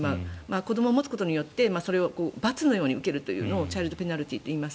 子どもを持つことによってそれを罰のように受けるというのをチャイルドペナルティーといいます。